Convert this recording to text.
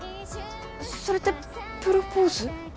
それってプロポーズ？